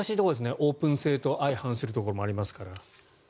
オープン性と相反するところもありますから。